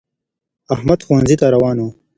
احمد ښونځی تا روان وو